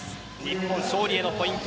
日本の勝利へのポイント